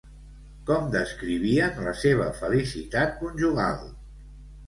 Com descrivien la seva felicitat conjugal?